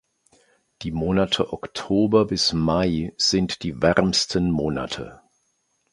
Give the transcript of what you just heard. Die Monate Oktober bis Mai sind die wärmsten Monate.